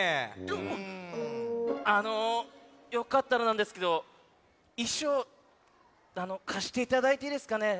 どーもあのよかったらなんですけどいしょうかしていただいていいですかね？